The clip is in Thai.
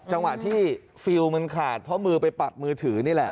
จังหวะที่ฟิลล์มันขาดเพราะมือไปปัดมือถือนี่แหละ